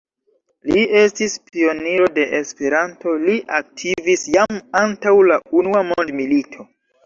Li estis pioniro de Esperanto; li aktivis jam antaŭ la unua mondmilito.